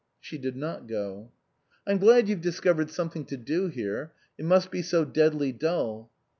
She did not go. " I'm glad you've discovered something to do here. It must be so deadly dull."